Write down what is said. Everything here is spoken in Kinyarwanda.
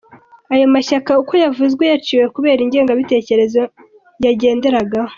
Ayo mashyaka uko yavuzwe, yaciwe kubera ingengabitekerezo yagenderagaho.